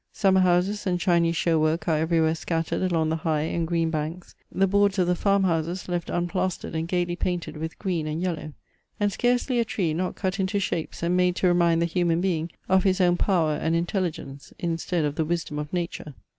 Summer houses and Chinese show work are everywhere scattered along the high and green banks; the boards of the farm houses left unplastered and gaily painted with green and yellow; and scarcely a tree not cut into shapes and made to remind the human being of his own power and intelligence instead of the wisdom of nature.